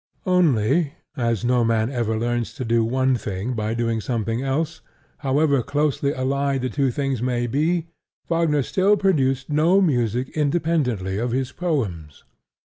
Only, as no man ever learns to do one thing by doing something else, however closely allied the two things may be, Wagner still produced no music independently of his poems.